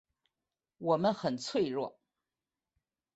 我们很脆弱